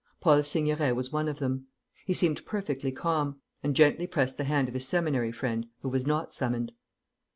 Paul Seigneret was one of them. He seemed perfectly calm, and gently pressed the hand of his Seminary friend who was not summoned.